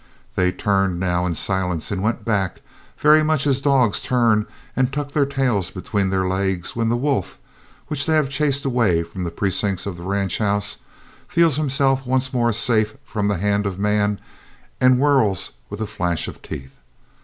They turned now in silence and went back, very much as dogs turn and tuck their tails between their legs when the wolf, which they have chased away from the precincts of the ranch house, feels himself once more safe from the hand of man and whirls with a flash of teeth.